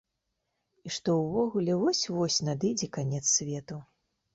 І што ўвогуле вось-вось надыдзе канец свету.